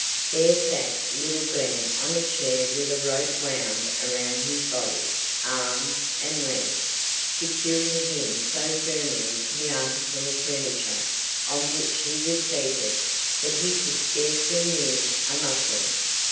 There sat little Glen on a chair with a rope wound around his body, arms, and legs, securing him so firmly to the article of furniture on which he was seated that he could scarcely move a muscle.